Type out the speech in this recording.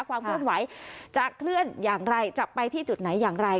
ความเคลื่อนไหวจะเคลื่อนอย่างไรจะไปที่จุดไหนอย่างไร